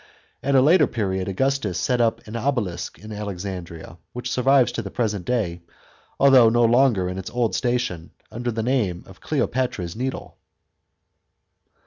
At a later period Augustus set up an obelisk in Alexandria, which survives to the present day, although no longer in its old station, f under the name of Cleopatra's needle.